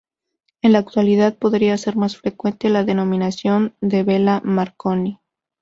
En la actualidad podría ser más frecuente la denominación de vela marconi.